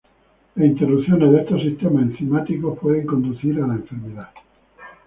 Las interrupciones de estos sistemas enzimáticos pueden conducir a la enfermedad.